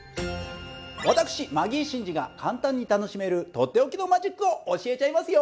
私マギー審司が簡単に楽しめるとっておきのマジックを教えちゃいますよ。